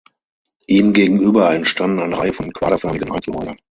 Ihm gegenüber entstanden eine Reihe von quaderförmigen Einzelhäusern.